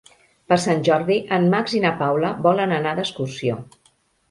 Per Sant Jordi en Max i na Paula volen anar d'excursió.